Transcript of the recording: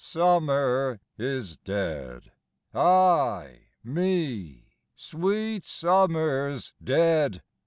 Summer is dead, ay me! sweet Summer's dead!